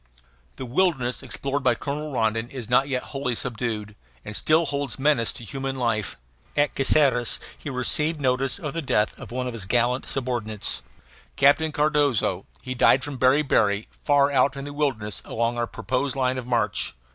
The wilderness explored by Colonel Rondon is not yet wholly subdued, and still holds menace to human life. At Caceres he received notice of the death of one of his gallant subordinates, Captain Cardozo. He died from beriberi, far out in the wilderness along our proposed line of march.